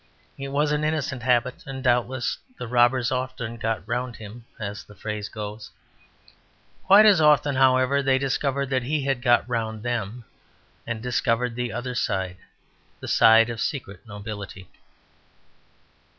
It was an innocent habit, and doubtless the robbers often 'got round him,' as the phrase goes. Quite as often, however, they discovered that he had 'got round' them, and discovered the other side, the side of secret nobility.